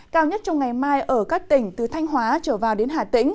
cao nhất trong ngày mai ở các tỉnh từ thanh hóa trở vào đến hà tĩnh